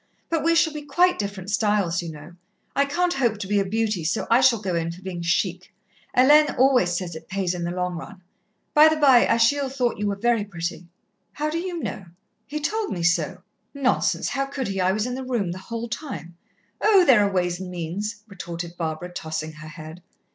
But we shall be quite different styles, you know. I can't hope to be a beauty, so I shall go in for being chic. Hélène always says it pays in the long run. By the bye, Achille thought you were very pretty." "How do you know?" "He told me so." "Nonsense! How could he? I was in the room the whole time." "Oh, there are ways and means," retorted Barbara, tossing her head.